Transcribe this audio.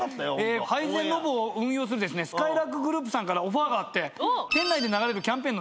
配膳ロボを運用するすかいらーくグループさんからオファーがあって。